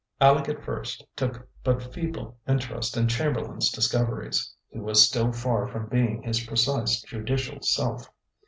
Aleck at first took but feeble interest in Chamberlain's discoveries; he was still far from being his precise, judicial self.